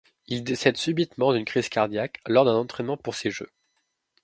Il décède subitement d'une crise cardiaque lors d'un entraînement pour ces Jeux.